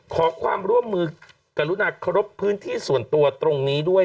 ขอความร่วมมือกรุณาเคารพพื้นที่ส่วนตัวตรงนี้ด้วย